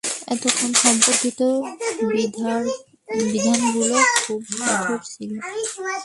এতৎসম্পর্কিত বিধানগুলি খুবই কঠোর ছিল।